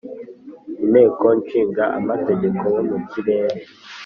inteko ishinga amategeko yo mu kirere,